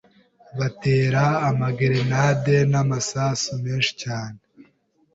batera amagerenade n’amasasu menshi cyane